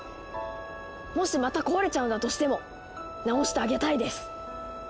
もしまた壊れちゃうんだとしてもなおしてあげたいです！